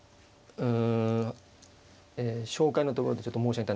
うん。